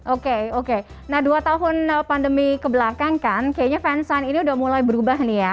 oke oke nah dua tahun pandemi kebelakang kan kayaknya fansign ini udah mulai berubah nih ya